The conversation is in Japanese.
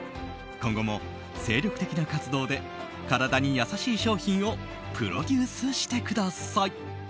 今後も精力的な活動で体に優しい商品をプロデュースしてください。